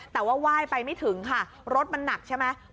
แต่ว่าไหว้ไปไม่ถึงค่ะรถมันหนักใช่ไหม